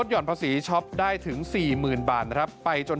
โทษภาพชาวนี้ก็จะได้ราคาใหม่